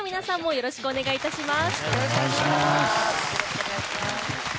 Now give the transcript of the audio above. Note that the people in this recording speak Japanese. よろしくお願いします。